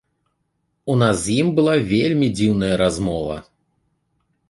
У нас з ім была вельмі дзіўная размова.